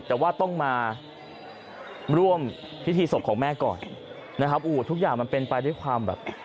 แต่ว่าต้องมาร่วมพิธีศพของแม่ก่อนนะครับโอ้ทุกอย่างมันเป็นไปด้วยความแบบ